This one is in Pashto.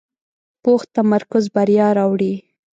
پوخ تمرکز بریا راوړي